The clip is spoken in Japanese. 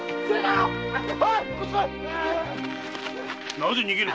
なぜ逃げる！